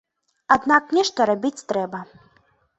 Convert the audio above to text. Аднак нешта рабіць трэба.